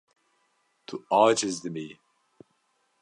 Tu aciz dibî.